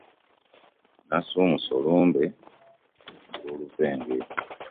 Nasumuse olumbe lw'oluvenge .